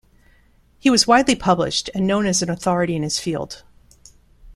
He was widely published and known as an authority in his field.